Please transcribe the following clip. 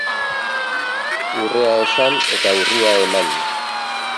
Urrea esan eta urria eman.